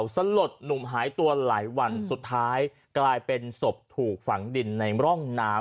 สลดหนุ่มหายตัวหลายวันสุดท้ายกลายเป็นศพถูกฝังดินในร่องน้ำ